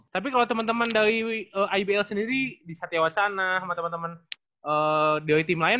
tapi kalau temen temen dari ibl sendiri di satya wacana sama temen temen dari tim lain